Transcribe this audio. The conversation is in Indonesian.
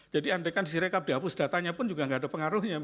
jadi andai kan di sireka dihapus datanya pun juga tidak ada pengaruhnya